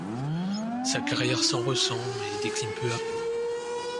Sa carrière s'en ressent et décline peu à peu.